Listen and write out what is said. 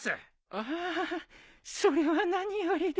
はあそれは何よりで。